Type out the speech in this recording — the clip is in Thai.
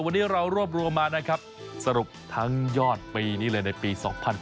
วันนี้เรารวบรวมมานะครับสรุปทั้งยอดปีนี้เลยในปี๒๐๑๘